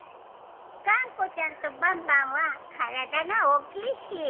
がんこちゃんとバンバンはからだがおおきいし。